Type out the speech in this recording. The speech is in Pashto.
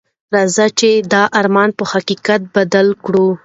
راځئ چې دا ارمان په حقیقت بدل کړو.